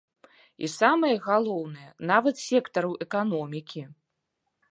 І самае галоўнае, нават сектараў эканомікі.